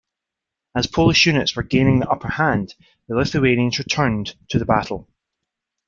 As Polish units were gaining the upper hand, the Lithuanians returned to the battle.